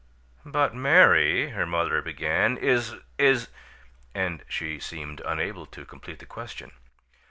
"But, Mary," her mother began, "is is " And she seemed unable to complete the question.